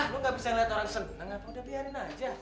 lu gak bisa liat orang senang aku udah biarin aja